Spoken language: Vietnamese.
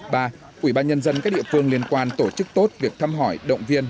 ba ủy ban nhân dân các địa phương liên quan tổ chức tốt việc thăm hỏi động viên